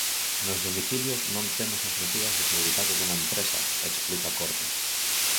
"Nos domicilios non temos as medidas de seguridade dunha empresa", explica Cordo.